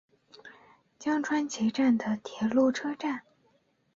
江川崎站的铁路车站。